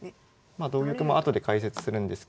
まあ同玉も後で解説するんですけど。